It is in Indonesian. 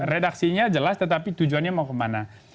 redaksinya jelas tetapi tujuannya mau kemana